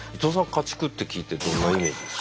家畜って聞いてどんなイメージです？